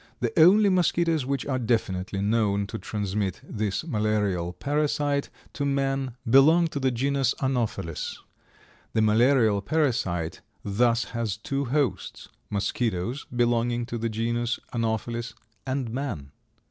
The only mosquitoes which are definitely known to transmit this malarial parasite to man belong to the genus Anopheles. The malarial parasite thus has two hosts, mosquitoes belonging to the genus Anopheles and man.